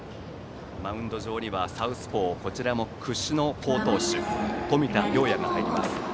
マウンド上にはサウスポーこちらも屈指の好投手冨田遼弥が入ります。